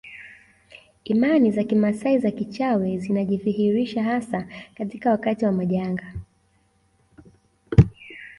Imani za kimaasai za kichawi zinajidhihirisha hasa katika wakati wa majanga